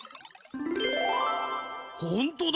ほんとだ。